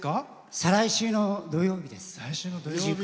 再来週の土曜日です。